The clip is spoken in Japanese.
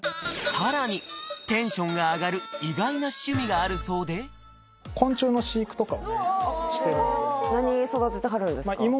さらにテンションが上がる意外な趣味があるそうで何育ててはるんですか？